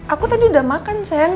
aku tadi udah makan cen